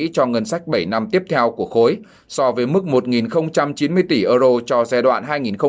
cho ngân sách bảy năm tiếp theo của khối so với mức một chín mươi tỷ euro cho giai đoạn hai nghìn một mươi sáu hai nghìn hai mươi